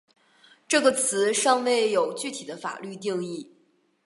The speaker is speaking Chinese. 这个词尚未有具体的法律定义。